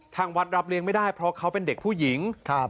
ทางวัดรับเลี้ยงไม่ได้เพราะเขาเป็นเด็กผู้หญิงครับ